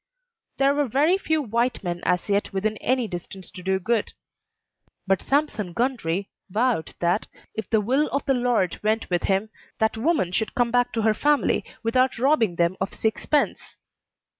There were very few white men as yet within any distance to do good; but Sampson Gundry vowed that, if the will of the Lord went with him, that woman should come back to her family without robbing them of sixpence.